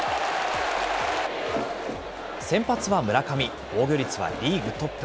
先発は村上、防御率はリーグトップ。